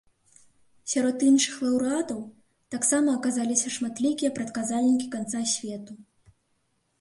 Сярод іншых лаўрэатаў таксама аказаліся шматлікія прадказальнікі канца свету.